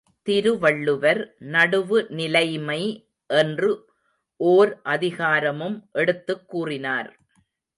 திருவள்ளுவர் நடுவுநிலைமை என்று ஓர் அதிகாரமும் எடுத்துக் கூறினார்.